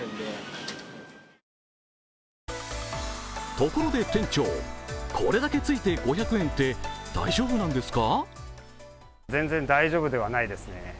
ところで店長、これだけついて５００円って大丈夫なんですか？